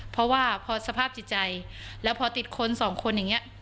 เพราะว่าพอสภาพจิตใจแล้วพอติดคนสองคนอย่างนี้